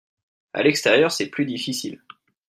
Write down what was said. À l’extérieur, c’est plus difficile